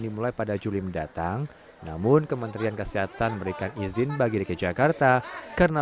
dimulai pada juli mendatang namun kementerian kesehatan berikan izin bagi dki jakarta karena